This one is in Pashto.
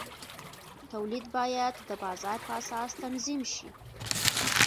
تولید باید د بازار په اساس تنظیم شي.